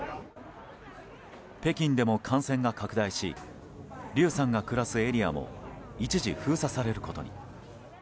北京でも感染が拡大しリュウさんが暮らすエリアも一時、封鎖されることに。